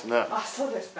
そうですか？